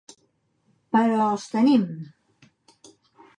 Però els tenim!